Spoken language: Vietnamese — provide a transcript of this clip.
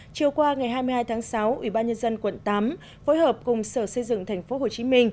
chiều qua ngày hai mươi hai tháng sáu ủy ban nhân dân quận tám phối hợp cùng sở xây dựng tp hcm